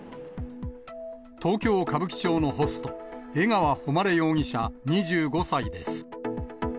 東京・歌舞伎町のホスト、江川誉容疑者２５歳です。